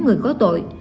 người có tội